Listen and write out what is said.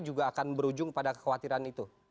juga akan berujung pada kekhawatiran itu